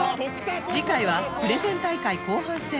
次回はプレゼン大会後半戦